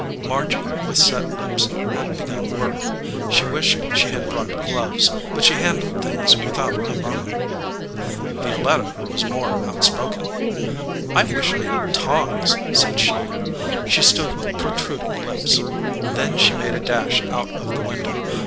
Margy, with set lips, had begun work. She wished she had brought gloves, but she handled things without a murmur. Violetta was more outspoken. "1 wish I had tongs," said she. She stood with protruding lips. 37 EDGEWATER PEOPLE Then she made a dash out of the window.